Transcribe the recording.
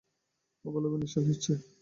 ও ভালোভাবেই নিশ্বাস নিচ্ছে।